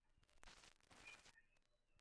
抓住他们！